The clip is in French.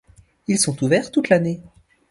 Ils sont ouverts toute l'année.